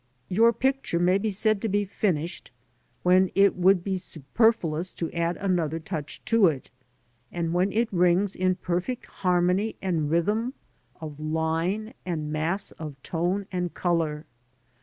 Your picture may be said to be finished when it would be superfluous to add another touch to it, and when it rings in perfect harmony and rhythm of line and mass of tone and colour.